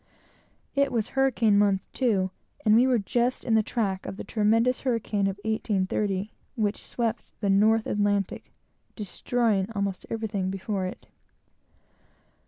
It was hurricane month, too, and we were just in the track of the tremendous hurricane of 1830, which swept the North Atlantic, destroying almost everything before it.